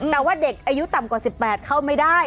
แต่ว่าเด็กอายุต่ำกว่า๑๘เข้าไม่ได้